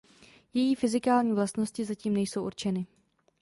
Její fyzikální vlastnosti zatím nejsou určeny.